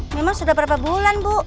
memang sudah berapa bulan bu